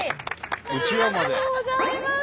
ありがとうございます！